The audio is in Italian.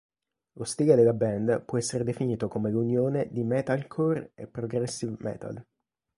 Lo stile della band può essere definito come l'unione di metalcore e progressive metal.